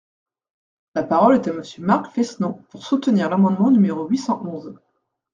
La parole est à Monsieur Marc Fesneau, pour soutenir l’amendement numéro huit cent onze.